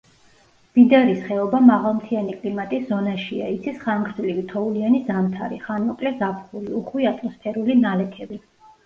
ბიდარის ხეობა მაღალმთიანი კლიმატის ზონაშია, იცის ხანგრძლივი თოვლიანი ზამთარი, ხანმოკლე ზაფხული, უხვი ატმოსფერული ნალექები.